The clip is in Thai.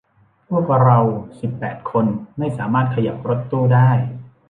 พวกเราสิบแปดคนไม่สามารถขยับรถตู้ได้